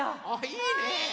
いいね！